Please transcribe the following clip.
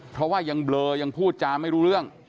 เพราะว่ายังเบลอยังพูดจาไม่รู้เรื่อง